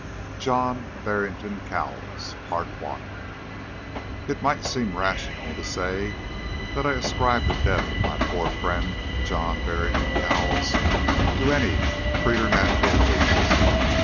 JOHN BARRINGTON COWLES. It might seem rash of me to say that I ascribe the death of my poor friend, John Barrington Cowles, to any preternatural agency.